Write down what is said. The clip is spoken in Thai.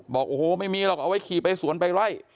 บอกโอ้โหไม่มีหรอกเอาไว้ขี่ไปสวนไปไล่